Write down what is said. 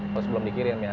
kalau sebelum dikirim ya